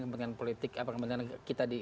kepentingan politik kepentingan kita